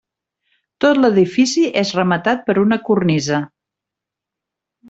Tot l'edifici és rematat per una cornisa.